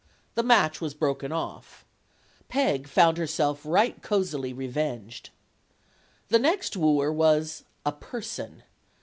The match was broken off. Peg felt herself right cozily revenged. The next wooer was a "person."